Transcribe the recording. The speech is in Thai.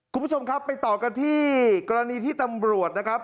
คุณผู้ชมครับไปต่อกันที่กรณีที่ตำรวจนะครับ